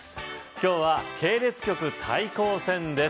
今日は系列局対抗戦です